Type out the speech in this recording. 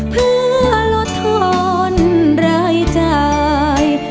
เพื่อลดทอนรายจ่าย